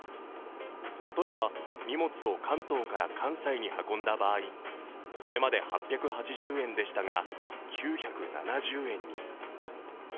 例えば荷物を関東から関西に運んだ場合これまで８８０円でしたが、９７０円に。